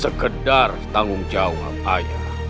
sekedar tanggung jawab ayah